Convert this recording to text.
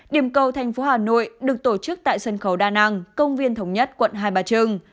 điểm cầu thành phố hà nội được tổ chức tại sân khấu đa năng công viên thống nhất quận hai bà trưng